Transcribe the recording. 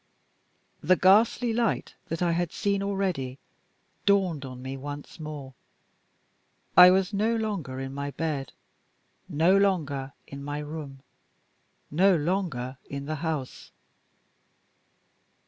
The ghastly light that I had seen already dawned on me once more. I was no longer in my bed, no longer in my room, no longer in the house.